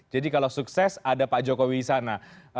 jadi kalau sukses ada pak jokowi disana